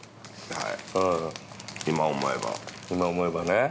はい。